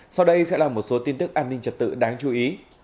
sau đây sẽ là một số tin tức an ninh trật tự đáng chú ý